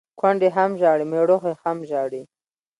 کونډي هم ژاړي ، مړوښې هم ژاړي.